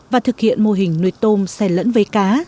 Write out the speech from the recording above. và thực hiện mô hình nuôi tôm xe lẫn vế